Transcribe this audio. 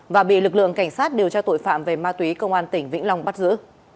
và bị lực lượng cảnh sát điều tra tội phạm về ma túy công an tỉnh vĩnh long bắt giữ